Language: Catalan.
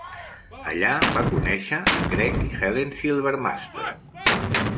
Allà va conèixer a Greg i Helen Silvermaster.